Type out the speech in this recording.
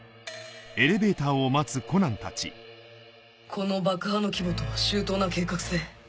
この爆破の規模と周到な計画性